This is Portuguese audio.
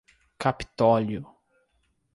Capitólio